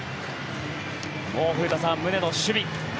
もう古田さん、宗の守備。